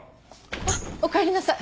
あっおかえりなさい。